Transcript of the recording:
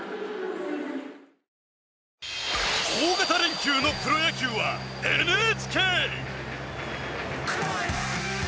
大型連休のプロ野球はＮＨＫ！